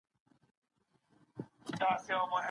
ډوډۍ په ګڼ ځای کي د ږغ سره راوړل کیږي.